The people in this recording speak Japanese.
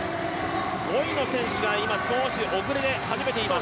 ５位の選手が少し遅れ始めています。